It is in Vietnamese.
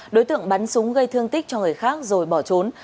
đối tượng bắn súng gây thương tích cho người khác rồi bỏ trốn